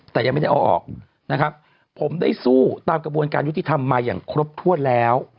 แต่ยังไม่ได้เอาออกนะครับผมได้สู้ตามกระบวนการยุติธรรมมาอย่างครบถ้วนแล้ว